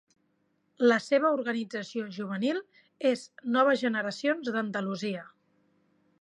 La seva organització juvenil és Noves Generacions d'Andalusia.